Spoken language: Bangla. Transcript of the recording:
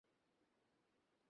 এটা কোন মাছি মারার খেলা না।